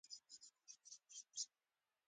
دننه تېاره وه، پخلنځي ته ولاړم.